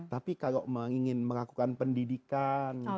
tapi kalau ingin melakukan pendidikan